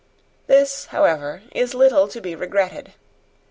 This, however, is little to be regretted.